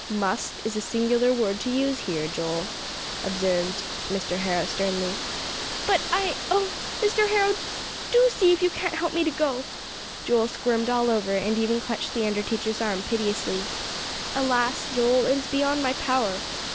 "'Must' is a singular word to use here, Joel," observed Mr. Harrow sternly. "But I oh, Mr. Harrow, do see if you can't help me to go." Joel squirmed all over, and even clutched the under teacher's arm piteously. "Alas, Joel! it is beyond my power."